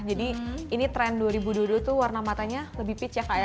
jadi ini trend dua ribu dua puluh dua tuh warna matanya lebih peach ya kak ya